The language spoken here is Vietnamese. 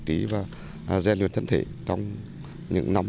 ký và gieo lưu thân thể trong những năm